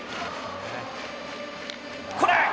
これ！